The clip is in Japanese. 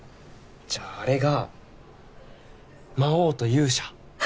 じゃああれが魔王と勇者？